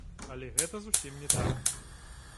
Але гэта зусім не так.